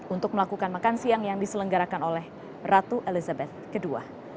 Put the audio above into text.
untuk melakukan makan siang yang diselenggarakan oleh ratu elizabeth ii